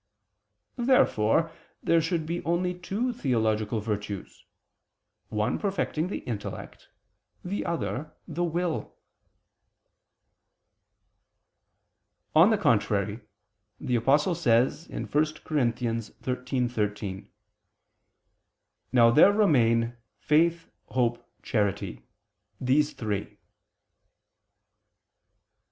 Therefore there should be only two theological virtues, one perfecting the intellect, the other, the will. On the contrary, The Apostle says (1 Cor. 13:13): "Now there remain faith, hope, charity, these three."